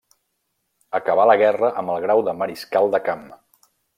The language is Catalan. Acabà la guerra amb el grau de mariscal de camp.